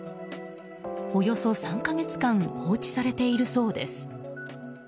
およそ３か月間放置されているそうです。